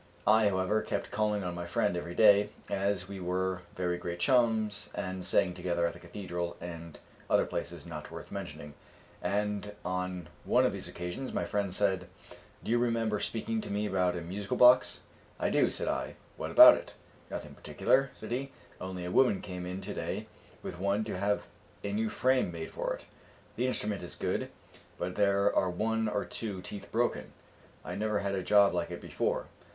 I, however, kept calling on my friend every day, as we were very great chums and sang together at the cathedral, and other places not worth mentioning, and on one of these occasions my friend said, "Do you remember speaking to me about a musical box?" "I do," said I; "what about it?" "Nothing particular," said he; "only a woman came in to day with one to have a new frame made for it. The instrument is good, but there are one or two teeth broken; I never had a job like it before."